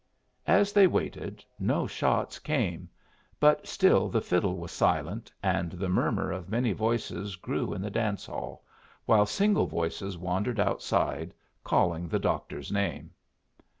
As they waited, no shots came; but still the fiddle was silent, and the murmur of many voices grew in the dance hall, while single voices wandered outside, calling the doctor's name.